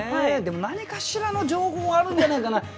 でも何かしらの情報あるんじゃないかな。